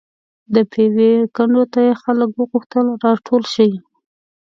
د پېوې کنډو ته یې خلک وغوښتل راټول شي.